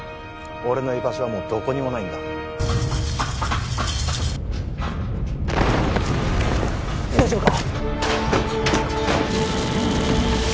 俺の居場所はもうどこにもないんだ大丈夫か？